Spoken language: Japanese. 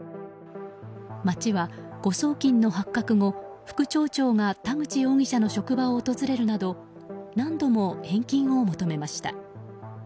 町は誤送金の発覚後副町長が田口容疑者の職場を訪れるなど何度も返金を求めました。